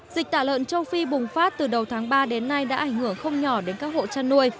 dịch tả lợn châu phi bùng phát từ đầu tháng ba đến nay đã ảnh hưởng không nhỏ đến các hộ chăn nuôi